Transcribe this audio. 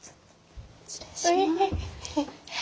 失礼します。